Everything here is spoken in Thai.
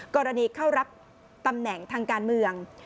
กรณีเข้ารับตำแหน่งทางการเมือง